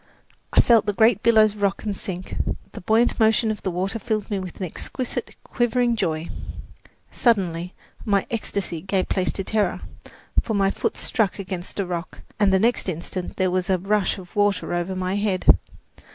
I felt the great billows rock and sink. The buoyant motion of the water filled me with an exquisite, quivering joy. Suddenly my ecstasy gave place to terror; for my foot struck against a rock and the next instant there was a rush of water over my head.